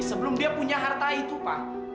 sebelum dia punya harta itu pak